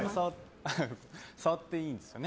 触っていいんですよね？